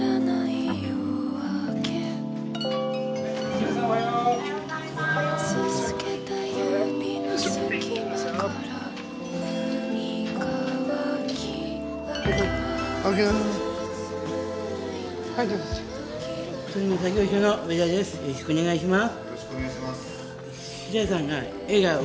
よろしくお願いします。